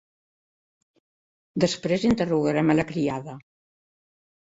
Després interrogarem a la criada.